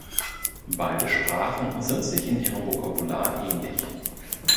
Beide Sprachen sind sich in ihrem Vokabular ähnlich.